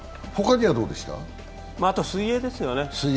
あとは水泳ですね。